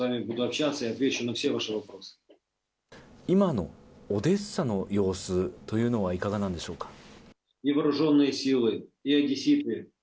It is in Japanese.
今のオデッサの様子というのはいかがなんでしょうか？